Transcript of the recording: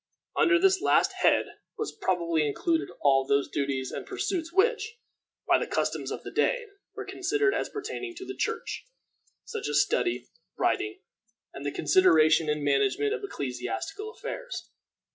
Under this last head was probably included all those duties and pursuits which, by the customs of the day, were considered as pertaining to the Church, such as study, writing, and the consideration and management of ecclesiastical affairs.